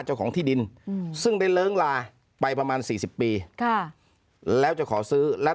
เจ้าของที่ดินซึ่งได้เลิ้งลาไปประมาณสี่สิบปีค่ะแล้วจะขอซื้อและ